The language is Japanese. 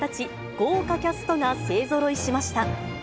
豪華キャストが勢ぞろいしました。